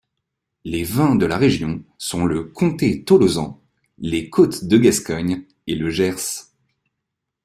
Les vins de la région sont le comté-tolosan, les côtes-de-gascogne et le Gers.